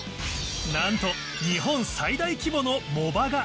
なんと日本最大規模の藻場が！